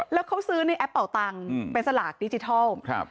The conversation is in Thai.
แล้วเขาซื้อในแอปเป่าตังค์เป็นสลากดิจิทัล